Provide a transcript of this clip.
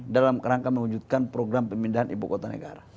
dalam kerangka mewujudkan program pemindahan ibu kota negara